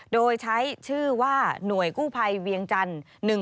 โดยใช้ชื่อว่าหน่วยกู้ภัยเวียงจันทร์